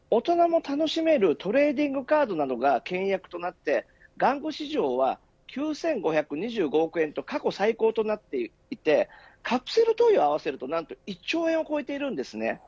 大人も楽しめるトレーディングカードなどがけん引役となって玩具市場は９５２５億円と過去最高となっていてカプセルトイを合わせるとなんと１兆円を超えています。